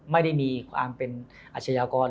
ไม่ได้มีความเป็นอาชญากร